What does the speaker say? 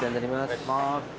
お願いします。